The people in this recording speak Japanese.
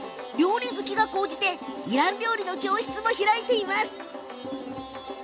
料理好きが高じてイラン料理の教室も開いています。